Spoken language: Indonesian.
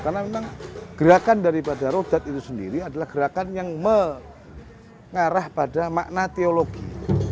adalah gerakan yang mengarah pada makna teologi